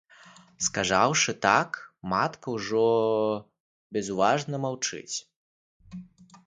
Сказаўшы так, матка ўжо безуважна маўчыць.